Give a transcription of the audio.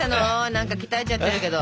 何か鍛えちゃってるけど。